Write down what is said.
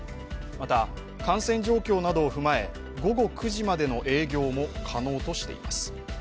また、感染状況などを踏まえ、午後９時までの営業も可能としています。